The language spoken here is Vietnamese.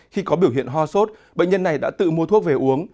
khi có biểu hiện ho sốt bệnh nhân này đã tự mua thuốc về uống